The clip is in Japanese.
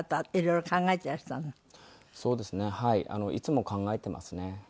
いつも考えていますね